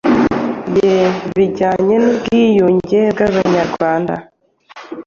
ye bijyanye n'ubwiyunge bwabanyarwanda